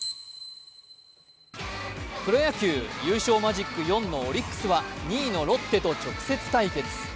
プロ野球、優勝マジック４のオリックスは、２位のロッテと直接対決。